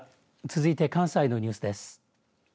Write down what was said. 続いて関西のニュースです。